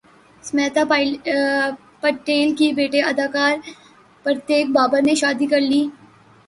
سمیتا پاٹیل کے بیٹے اداکار پرتیک ببر نے شادی کرلی